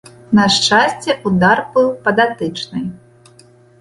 На шчасце, удар быў па датычнай.